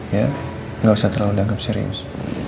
ya gak usah terlalu dangkem serius